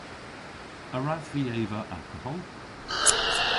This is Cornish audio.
A wrav vy eva alkohol?